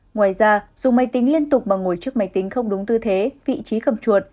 ngoài ra dùng máy tính liên tục bằng ngồi trước máy tính không đúng tư thế vị trí cầm chuột